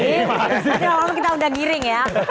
nanti malam kita udah giring ya